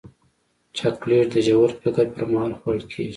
چاکلېټ د ژور فکر پر مهال خوړل کېږي.